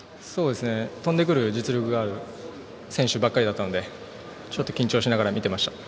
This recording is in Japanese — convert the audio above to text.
跳んでくる実力がある選手ばかりだったので緊張しながら見ていました。